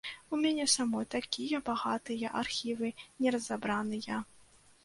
У мяне самой такія багатыя архівы неразабраныя.